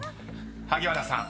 ［萩原さん